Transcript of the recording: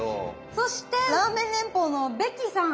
そしてラーメン連邦のベッキーさん。